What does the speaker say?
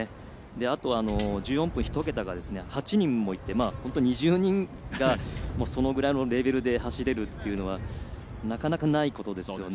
あと、１４分１桁が８人もいて本当に２０人がそのぐらいのレベルで走れるっていうのはなかなかないことですよね。